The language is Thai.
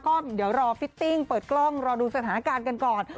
ก็เดี๋ยวรอฟิตติ้งเปิดกล้องรอดูสถานการณ์กันก่อน